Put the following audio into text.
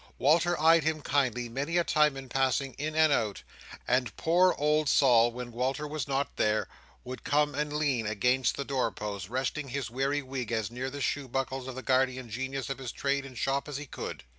Walter eyed him kindly many a time in passing in and out; and poor old Sol, when Walter was not there, would come and lean against the doorpost, resting his weary wig as near the shoe buckles of the guardian genius of his trade and shop as he could.